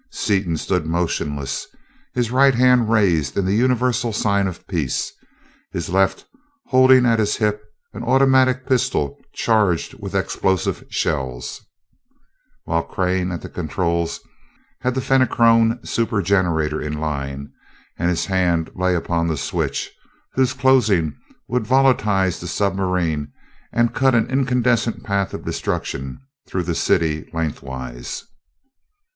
Seaton stood motionless, his right hand raised in the universal sign of peace, his left holding at his hip an automatic pistol charged with X plosive shells while Crane, at the controls, had the Fenachrone super generator in line, and his hand lay upon the switch, whose closing would volatilize the submarine and cut an incandescent path of destruction through the city lengthwise.